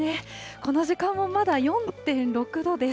この時間もまだ４．６度です。